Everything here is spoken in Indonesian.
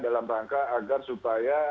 dalam rangka agar supaya